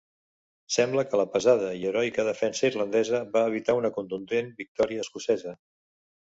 Sembla que la pesada i heroica defensa irlandesa va evitar una contundent victòria escocesa.